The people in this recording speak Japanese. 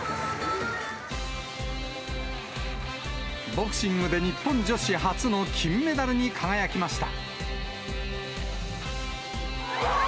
ボクシングで日本女子初の金メダルに輝きました。